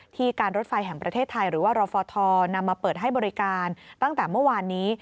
การรถไฟแห่งประเทศไทยหรือว่ารฟทนำมาเปิดให้บริการตั้งแต่เมื่อวานนี้